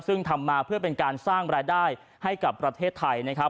ซึ่งทำมาเพื่อเป็นการสร้างรายได้ให้กับประเทศไทยนะครับ